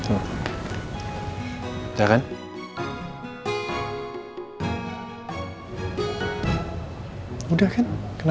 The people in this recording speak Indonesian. ini anne rek nanya